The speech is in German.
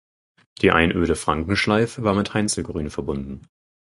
Die Einöde Frankenschleif war mit Heinzlgrün verbunden.